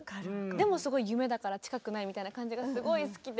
でもすごい夢だから近くないみたいな感じがすごい好きで。